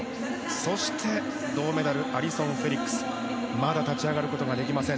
そして銅メダルアリソン・フェリックスまだ立ち上がることができません。